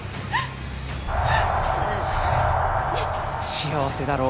幸せだろ？